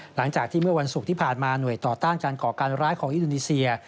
หลังจากที่เมื่อวันศุกร์ที่ผ่านมาหน่วยต่อต้านการก่อการร้ายของอินโดนีเซีย